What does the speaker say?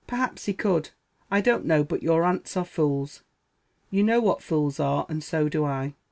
Perhaps he could. I don't know but your aunts are fools. You know what fools are, and so do I.